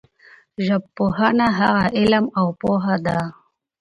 ژبپوهنه هغه علم او پوهه ده